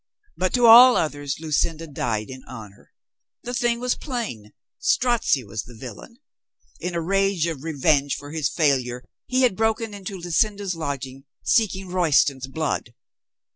But to all others Lucinda died in honor. The thing was plain. Strozzi was the villain. In a rage of revenge for his failure, he had broken into Lucinda's lodging, seeking Royston's blood.